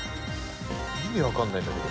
意味わかんないんだけど。